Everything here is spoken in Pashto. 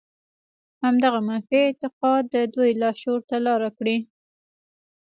همدغه منفي اعتقاد د دوی لاشعور ته لاره کړې.